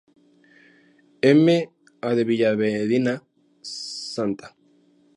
M.ª de Villamediana, Sta.